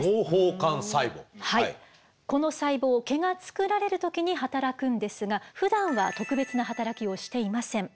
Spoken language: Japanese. この細胞毛が作られる時に働くんですがふだんは特別な働きをしていません。